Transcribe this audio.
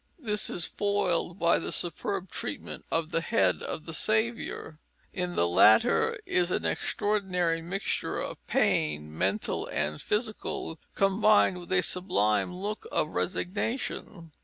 This is foiled by the superb treatment of the head of the Saviour. In the latter is an extraordinary mixture of pain, mental and physical, combined with a sublime look of resignation.